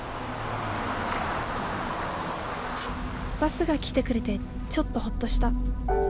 バスが来てくれてちょっとホッとした。